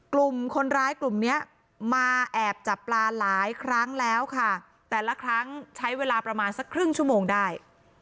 กลุ่มคนร้ายกลุ่มเนี้ยมาแอบจับปลาหลายครั้งแล้วค่ะแต่ละครั้งใช้เวลาประมาณสักครึ่งชั่วโมงได้